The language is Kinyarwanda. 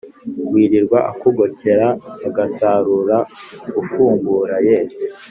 wirirwa akugokera agasarura ufungura ye